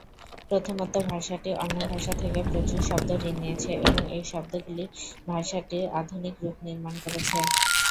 প্রথমত, ভাষাটি অন্য ভাষা থেকে প্রচুর শব্দ ঋণ নিয়েছে এবং এই শব্দগুলি ভাষাটির আধুনিক রূপ নির্মাণ করেছে।